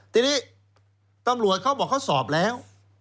ทีนี้ตำรวจเขาบอกเขาสอบแล้ว